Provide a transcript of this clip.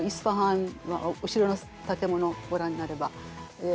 後ろの建物をご覧になれば。